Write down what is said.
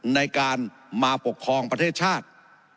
ในการมาปกครองประเทศชาติ